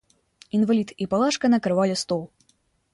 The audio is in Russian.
Инвалид и Палашка накрывали стол.